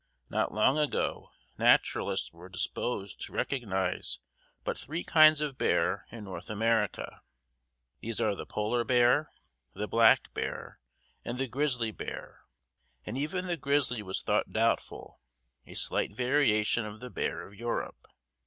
Not long ago naturalists were disposed to recognize but three kinds of bear in North America. These are the polar bear, the black bear, and the grizzly bear, and even the grizzly was thought doubtful, a slight variation of the bear of Europe.